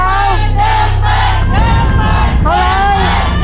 เท่าไร